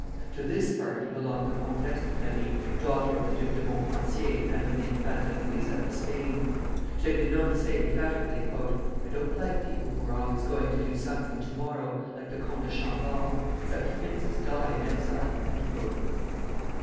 To this party belonged the Comtesse de Paris, daughter of the Duc de Montpensier and of the Infanta Luisa of Spain. She had been known to say emphatically: "I don't like people who are always going to do something to morrow, like the Comte de Chambord; such princes die in exile."